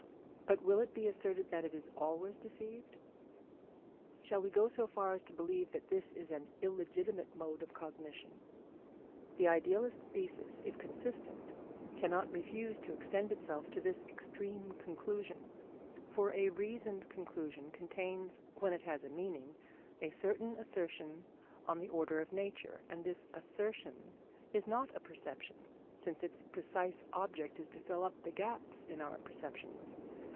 But will it be asserted that it is always deceived? Shall we go so far as to believe that this is an illegitimate mode of cognition? The idealist thesis, if consistent, cannot refuse to extend itself to this extreme conclusion; for a reasoned conclusion contains, when it has a meaning, a certain assertion on the order of nature, and this assertion is not a perception, since its precise object is to fill up the gaps in our perceptions.